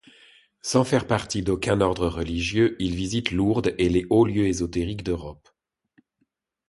Sans faire partie d'aucun ordre religieux, il visite Lourdes et les hauts-lieux ésotériques d'Europe.